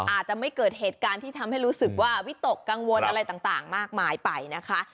อาจจะไม่เกิดเหตุการณ์ที่ทำให้รู้สึกว่าวิตกกังวลอะไรต่างมากมายไปนะคะ